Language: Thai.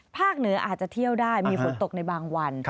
เหนืออาจจะเที่ยวได้มีฝนตกในบางวัน